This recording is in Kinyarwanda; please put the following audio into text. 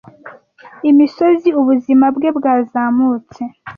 Imisozi ubuzima bwe bwazamutse,